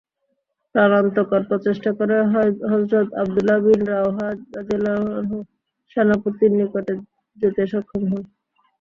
প্রাণান্তকর প্রচেষ্টা করে হযরত আব্দুল্লাহ বিন রাওহা রাযিয়াল্লাহু আনহু সেনাপতির নিকটে যেতে সক্ষম হন।